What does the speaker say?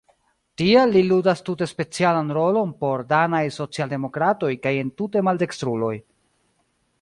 Tial li ludas tute specialan rolon por danaj socialdemokratoj kaj entute maldekstruloj.